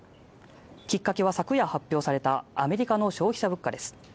きっかけは昨夜発表されたアメリカの消費者物価です。